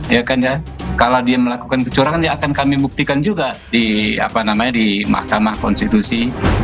ya kan ya kalau dia melakukan kecurangan ya akan kami buktikan juga di mahkamah konstitusi